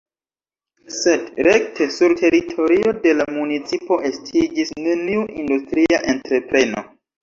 Sed rekte sur teritorio de la municipo estiĝis neniu industria entrepreno.